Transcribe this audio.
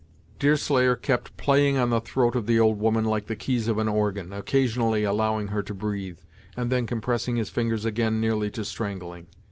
Deerslayer kept playing on the throat of the old woman like the keys of an organ, occasionally allowing her to breathe, and then compressing his fingers again nearly to strangling.